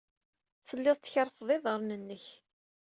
Telliḍ tkerrfeḍ iḍarren-nnek.